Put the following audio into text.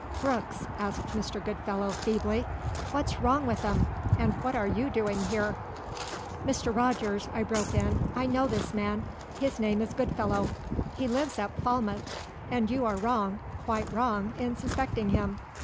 "Brooks," asked Mr. Goodfellow feebly, "what's wrong with 'em? And what are you doing here?" "Mr. Rogers," I broke in, "I know this man. His name is Goodfellow; he lives at Falmouth; and you are wrong, quite wrong, in suspecting him.